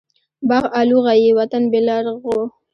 باغ الو غيي ،وطن بيلرغو.